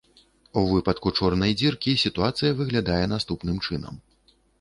У выпадку чорнай дзіркі сітуацыя выглядае наступным чынам.